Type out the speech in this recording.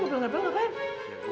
kok mau pel ngepel ngapain